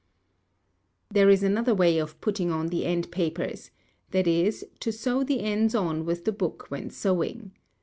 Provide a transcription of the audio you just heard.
There is another way of putting on the end papers, that is, to sew the ends on with the book when sewing.